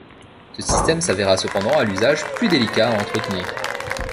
Ce système s'avéra cependant à l'usage plus délicat à entretenir.